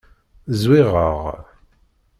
Zwiɣeɣ.